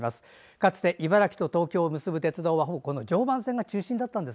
かつて茨城と東京を結ぶ鉄道はほぼ常磐線が中心でした。